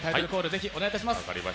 ぜひお願いします。